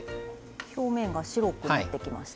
表面が白くなってきました。